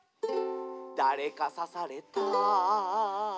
「だれかさされた」